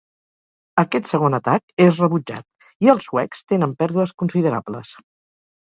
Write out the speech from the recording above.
Aquest segon atac és rebutjat, i els suecs tenen pèrdues considerables.